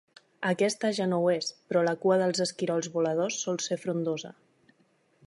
Aquesta ja no ho és, però la cua dels esquirols voladors sol ser frondosa.